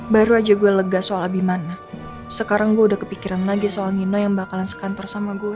baru aja gue lega soal abimana sekarang gue udah kepikiran lagi soal ngino yang bakalan sekantor sama gue